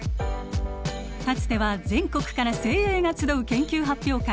かつては全国から精鋭が集う研究発表会